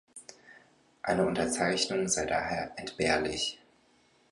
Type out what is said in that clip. Eine Unterzeichnung sei daher „entbehrlich“.